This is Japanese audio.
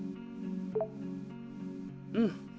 うん。